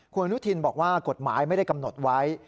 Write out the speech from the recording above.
คุณอนุทินบอกว่ากฎหมายไม่ได้กำหนดไว้